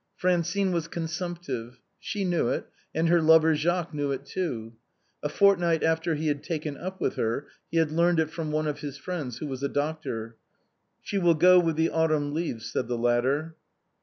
Francine was consump tive. She knew it and her lover Jacques knew it too; a fortnight after he had taken up with her he had learned it from one of his friends, who was a doctor. " She will go with the autumn leaves," said the latter.